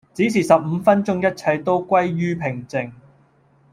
只是十五分鐘一切都歸於平靜